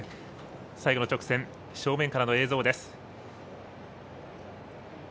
最後の直線正面からの映像です。